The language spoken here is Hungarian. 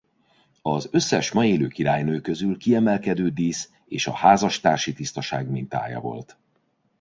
Az összes ma élő királynő közül kiemelkedő dísz és a házastársi tisztaság mintája volt.